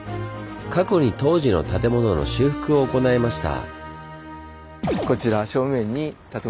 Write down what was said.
過去に東寺の建物の修復を行いました。